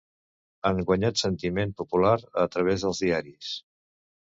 Han guanyat sentiment popular a través dels diaris.